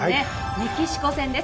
メキシコ戦です。